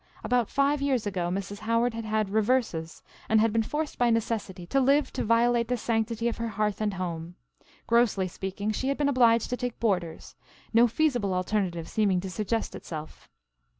About five years ago Mrs. Howard had had "reverses" and had been forced by necessity to live to violate the sanctity of her hearth and home; grossly speaking, she had been obliged to take boarders, no feasible alternative seeming to suggest itself.